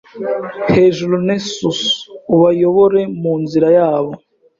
Hejuru Nessus ubayobore mu nzira yabo